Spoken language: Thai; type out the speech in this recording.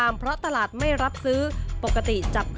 เริ่มใหญ่ขึ้นปุ๊บ